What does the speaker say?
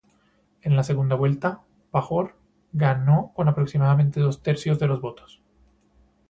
En la segunda vuelta, Pahor ganó con aproximadamente dos tercios de los votos.